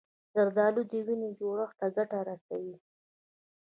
زردالو د وینې جوړښت ته ګټه رسوي.